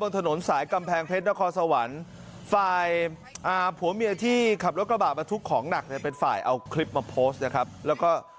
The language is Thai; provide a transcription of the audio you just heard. บนถนนสายกำแพงเพชรนครสวรรค์ฝ่ายอ่าผัวเมียที่ขับรถกระบะมาทุกของหนักเนี่ยเป็นฝ่ายเอาคลิปมาโพสต์นะครับแล้วก็